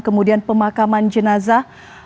kemudian pemakaman jenazah